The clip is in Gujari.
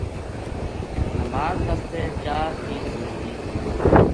نماز وسطے چار چیز ضروری ہیں۔